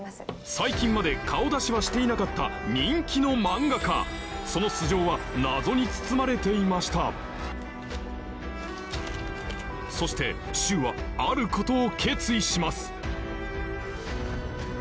最近まで顔出しはしていなかったその素性は謎に包まれていましたそして柊はあることを決意します